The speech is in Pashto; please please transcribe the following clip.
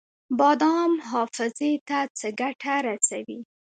بادام حافظې ته څه ګټه رسوي؟